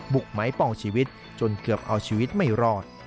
ไม้ปองชีวิตจนเกือบเอาชีวิตไม่รอด